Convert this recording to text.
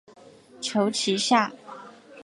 求其下